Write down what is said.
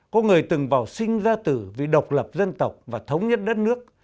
có người từng vào sinh ra tử vì độc lập dân tộc và thống nhất đất nước